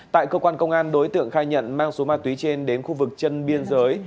tại cơ quan công an đối tượng khai nhận mang số ma túy trên đến khu vực chân biên giới